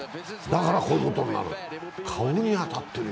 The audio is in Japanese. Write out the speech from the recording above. だからこういうことになる。